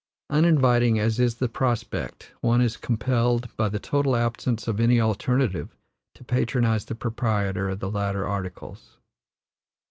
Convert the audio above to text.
Uninviting as is the prospect, one is compelled, by the total absence of any alternative, to patronize the proprietor of the latter articles.